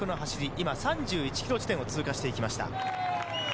今３１ｋｍ地点を通過していきました。